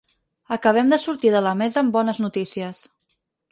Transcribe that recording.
Acabem de sortir de la mesa amb bones notícies.